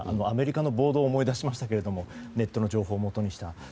アメリカの暴動を思い出しましたけれどもネットの情報をもとにした。